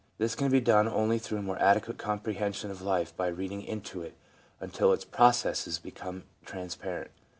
This can be done only through a more adequate comprehension of life by reading into it until its processes become transparent.